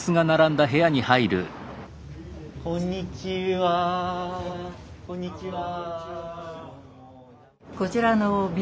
こんにちは。